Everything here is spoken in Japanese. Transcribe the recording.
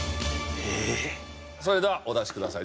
それではお出しください。